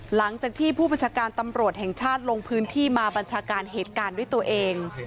หลังจากที่ผู้บัญชาการตำรวจแห่งชาติลงพื้นที่มาบัญชาการเหตุการณ์ด้วยตัวเอง